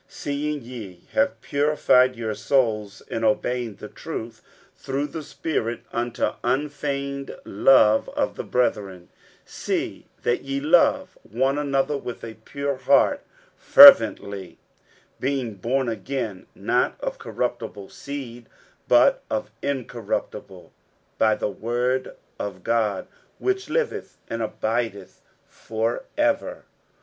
60:001:022 Seeing ye have purified your souls in obeying the truth through the Spirit unto unfeigned love of the brethren, see that ye love one another with a pure heart fervently: 60:001:023 Being born again, not of corruptible seed, but of incorruptible, by the word of God, which liveth and abideth for ever.